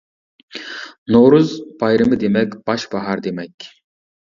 «نورۇز» بايرىمى دېمەك- باش باھار دېمەك.